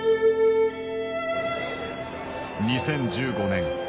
２０１５年。